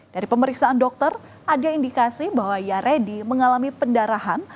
dari pemeriksaan dokter ada indikasi bahwa yaredi mengalami pendarahan